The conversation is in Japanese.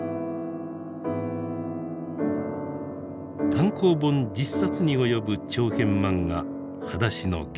単行本１０冊に及ぶ長編漫画「はだしのゲン」。